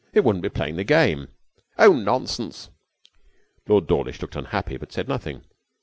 It wouldn't be playing the game.' 'Oh, nonsense!' Lord Dawlish looked unhappy, but said nothing.